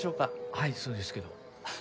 はいそうですけど。